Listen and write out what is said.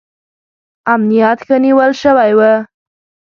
امنیت ښه نیول شوی و.